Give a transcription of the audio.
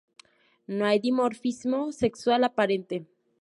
No hay dimorfismo sexual aparente.